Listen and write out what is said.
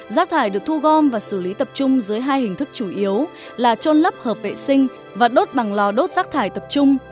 rác thải được thu gom và xử lý tập trung dưới hai hình thức chủ yếu là trôn lấp hợp vệ sinh và đốt bằng lò đốt rác thải tập trung